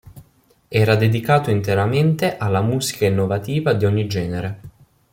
Era dedicato interamente alla musica innovativa di ogni genere.